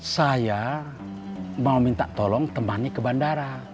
saya mau minta tolong temannya ke bandara